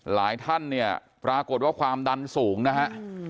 หลายท่านเนี่ยปรากฏว่าความดันสูงนะฮะ